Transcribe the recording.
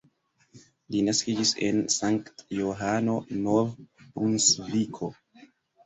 Li naskiĝis en Sankt-Johano, Nov-Brunsviko.